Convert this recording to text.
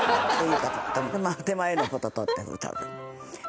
手前のを取って食べて。